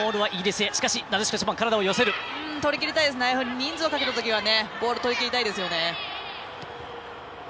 人数をかけたときはボールとりきりたいですよね。